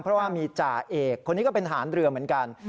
เพราะว่ามีจ่าเอกคนนี้ก็เป็นทหารเรือเหมือนกัน